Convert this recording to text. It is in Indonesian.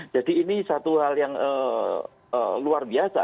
ini satu hal yang luar biasa